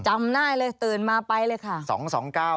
จำได้เลยตื่นมาไปเลยค่ะ